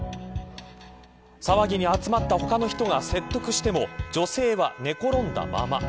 騒ぎに集まった他の人が説得しても女性は寝転んだまま。